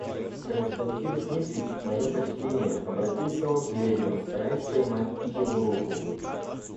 Константин Дмитрич, мое почтение, — обратился он к Левину, стараясь поймать и его руку.